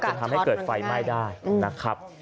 ทำให้เกิดไฟไหม้ได้นะครับ